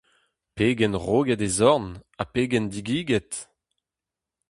Pegen roget e zorn, ha pegen digiget !